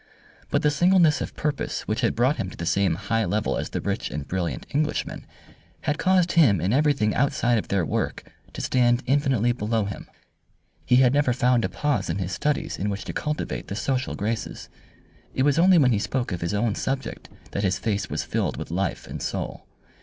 But the singleness of purpose which had brought him to the same high level as the rich and brilliant Englishman, had caused him in everything outside their work to stand infinitely below him. He had never found a pause in his studies in which to cultivate the social graces. It was only when he spoke of his own subject that his face was filled with life and soul.